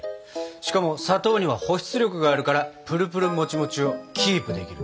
しかも砂糖には保湿力があるからプルプルもちもちをキープできるんだ。